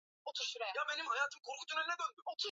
Idadi ya wanaoathirika kwenye kundi